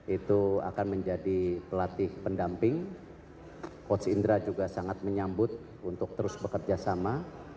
itu akan menjadi pelatih pendamping coach indra juga sangat menyambut untuk terus bekerja sama